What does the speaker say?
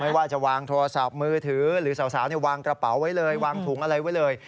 ว่าจะวางโทรศัพท์มือถือหรือสาววางกระเป๋าไว้เลยวางถุงอะไรไว้เลย